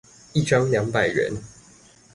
一張兩百元